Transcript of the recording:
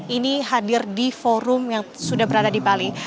ini hadir di forum yang sudah berada di bali